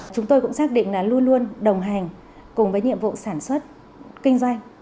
chúng tôi cũng xác định là luôn luôn đồng hành cùng với nhiệm vụ sản xuất kinh doanh